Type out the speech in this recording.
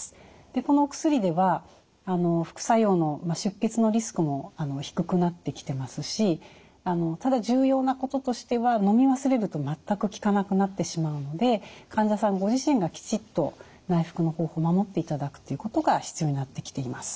でこのお薬では副作用の出血のリスクも低くなってきてますしただ重要なこととしてはのみ忘れると全く効かなくなってしまうので患者さんご自身がきちっと内服の方法を守っていただくということが必要になってきています。